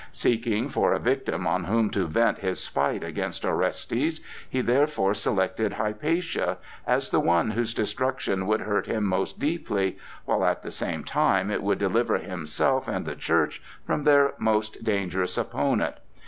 Seeking for a victim on whom to vent his spite against Orestes, he therefore selected Hypatia as the one whose destruction would hurt him most deeply, while at the same time it would deliver himself and the church from their most dangerous opponent.